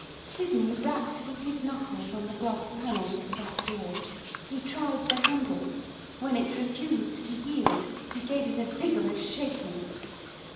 Sydney rapped with his knuckles on the glass panels of the back door. He tried the handle; when it refused to yield he gave it a vigorous shaking.